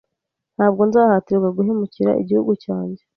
Ntabwo nzahatirwa guhemukira igihugu cyanjye